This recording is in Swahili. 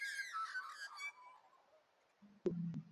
a inasababisha ngozi inafugana na hivo